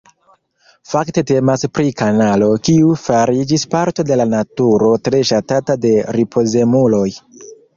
Fakte temas pri kanalo, kiu fariĝis parto de la naturo tre ŝatata de ripozemuloj.